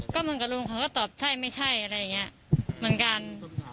ก็เหมือนกับลุงเขาก็ตอบใช่ไม่ใช่อะไรอย่างนี้เหมือนกัน